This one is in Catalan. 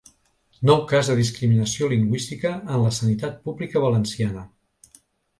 Nou cas de discriminació lingüística en la sanitat pública valenciana.